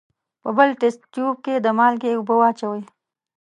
په بل تست تیوب کې د مالګې اوبه واچوئ.